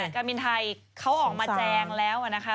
การบินไทยเขาออกมาแจงแล้วนะคะ